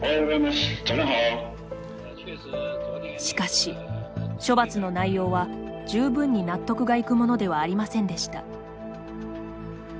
しかし、処罰の内容は十分に納得がいくものではありませんでした。